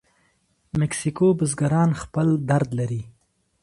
مکسیکو بزګران خپل درد لري.